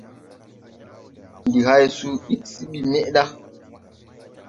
Ndi hay suu ig se bi meʼda.